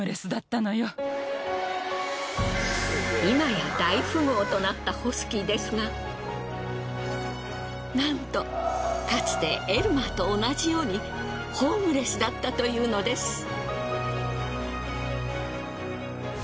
今や大富豪となったホスキーですがなんとかつてエルマーと同じようにホームレスだったというのです。